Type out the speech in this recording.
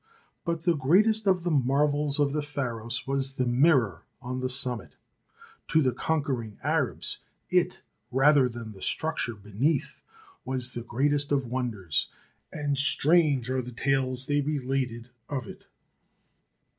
But the greatest of the marvels of the Pharos was the mirror on the summit. To the conquering Arabs, it, rather than the structure beneath, was the greatest of wonders, and strange are the tales they related of it.